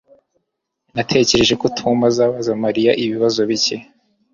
Natekereje ko Tom azabaza Mariya ibibazo bike